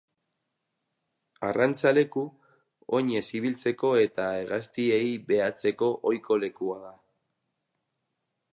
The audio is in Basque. Arrantza leku, oinez ibiltzeko eta hegaztiei behatzeko ohiko lekua da.